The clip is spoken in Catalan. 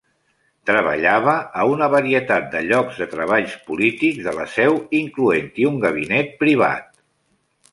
Treballava a una varietat de llocs de treball polítics de la seu, incloent-hi un gabinet privat.